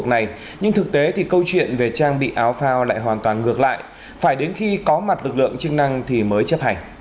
trong thế thì câu chuyện về trang bị áo phao lại hoàn toàn ngược lại phải đến khi có mặt lực lượng chức năng thì mới chấp hành